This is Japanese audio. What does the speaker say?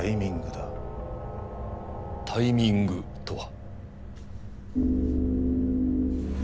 タイミングとは？